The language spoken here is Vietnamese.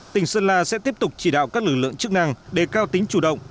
tỉnh sơn la sẽ tiếp tục chỉ đạo các lực lượng chức năng đề cao tính chủ động